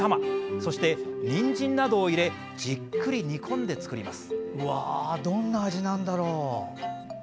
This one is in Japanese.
そして、にんじんなどを入れじっくり煮込んで作ります。